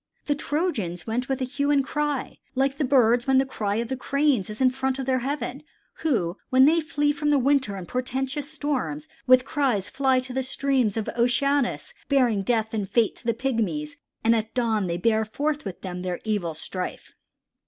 "The Trojans went with hue and cry like the birds when the cry of the Cranes is in the front of heaven, who, when they flee from the winter and portentous storms, with cries fly to the streams of Oceanus bearing death and fate to the Pygmies, and at dawn they bear forth with them their evil strife."